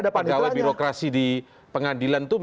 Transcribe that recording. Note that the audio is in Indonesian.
pegawai birokrasi di pengadilan itu